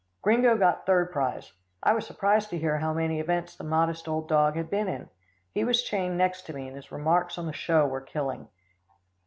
Gringo got third prize. I was surprised to hear how many events the modest old dog had been in. He was chained next to me, and his remarks on the show were killing.